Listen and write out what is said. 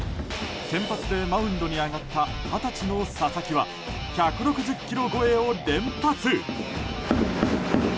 先発でマウンドに上がった二十歳の佐々木は１６０キロ超えを連発。